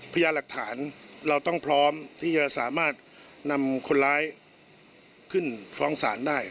พยายามหลักฐานเราต้องพร้อมที่จะสามารถนำคนร้ายขึ้นฟ้องศาลได้